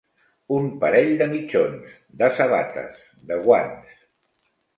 Un parell de mitjons, de sabates, de guants.